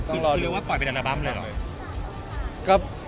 คือเรียกว่าปล่อยเป็นอัลบั้มเลยเหรอ